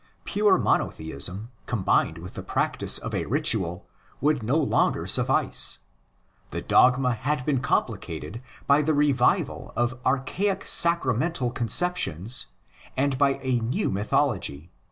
Pure monotheism combined with the practice of a ritual would no longer suffice— the dogma had been complicated by the revival of archaic sacramental conceptions and by a new mytho logy